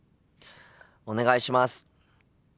お願いします。